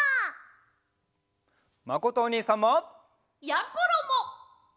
まことおにいさんも！やころも！